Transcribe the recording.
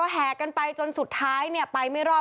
แห่กันไปจนสุดท้ายไปไม่รอด